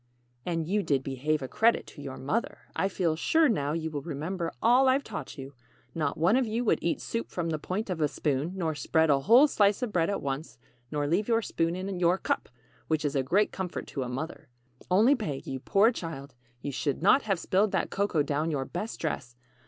] "And you did 'behave a credit' to your mother. I feel sure now you will remember all I've taught you. Not one of you would eat soup from the point of a spoon, nor spread a whole slice of bread at once, nor leave your spoon in your cup, which is a great comfort to a mother. Only Peg, you poor child, you should not have spilled that cocoa down your best dress.